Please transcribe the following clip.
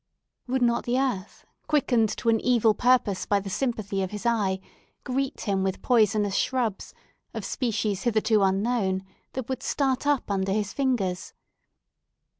Would not the earth, quickened to an evil purpose by the sympathy of his eye, greet him with poisonous shrubs of species hitherto unknown, that would start up under his fingers?